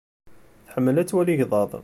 Tḥemmel ad twali igḍaḍ.